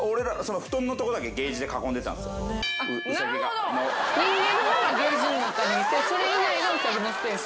なるほど人間の方がケージの中にいてそれ以外がウサギのスペース。